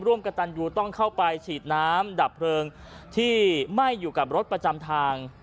ร่วมกับตันยูต้องเข้าไปฉีดน้ำดับเพลิงที่ไหม้อยู่กับรถประจำทาง